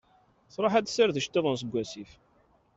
Tṛuḥ ad d-tessired iceṭṭiḍen seg wasif.